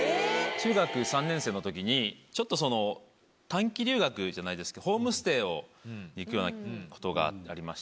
中学３年生のときにちょっとその短期留学じゃないですけどホームステイを行くようなことがありまして。